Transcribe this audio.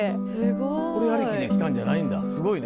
これありきで来たんじゃないんだすごいね。